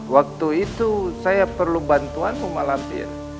waktu itu saya perlu bantuan rumah lampir